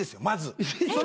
まず。